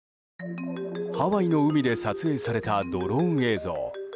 ハワイの海で撮影されたドローン映像。